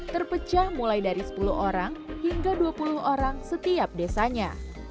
terpecah mulai dari sepuluh orang hingga dua puluh orang setiap desanya